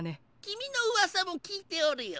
きみのうわさもきいておるよ。